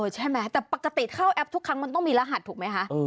ใช่ไหมแต่ปกติเข้าแอปทุกครั้งมันต้องมีรหัสถูกไหมคะ